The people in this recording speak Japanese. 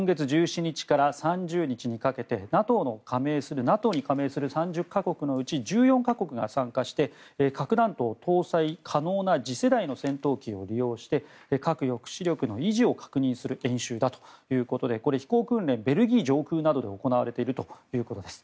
今月１７日から３０日にかけてＮＡＴＯに加盟する３０か国のうち１４か国が参加して核弾頭を搭載可能な次世代の戦闘機を利用して核抑止力の維持を確認する訓練だということで飛行訓練はベルギー上空などで行われているということです。